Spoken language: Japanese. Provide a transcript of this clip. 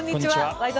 「ワイド！